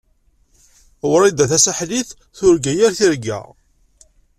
Wrida Tasaḥlit turga yir targit.